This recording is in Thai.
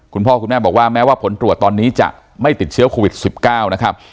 คุณพ่อคุณแม่บอกว่าแม้ว่าผลตรวจตอนนี้จะไม่ติดเชื้อโควิด๑๙นะครับ